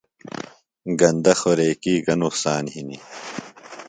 گندہ خوراکی گہ نقصان ہنیۡ؟